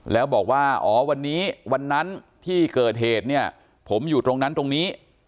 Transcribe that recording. แล้วบอกว่าอ๋อวันนี้วันนั้นที่เกิดเหตุเนี่ยผมอยู่ตรงนั้นตรงนี้